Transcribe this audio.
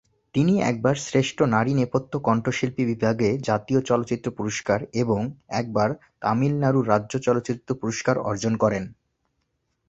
তিনি একবার শ্রেষ্ঠ নারী নেপথ্য কণ্ঠশিল্পী বিভাগে জাতীয় চলচ্চিত্র পুরস্কার এবং একবার তামিলনাড়ু রাজ্য চলচ্চিত্র পুরস্কার অর্জন করেন।